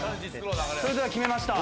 それでは決めました。